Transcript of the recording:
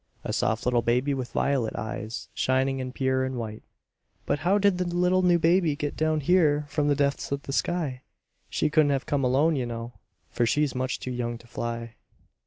A soft little baby, with violet eyes, Shining, and pure, and white. But how did the little new baby get Down here from the depths of the sky? She couldn't have come alone, you know, For she's much too young to fly.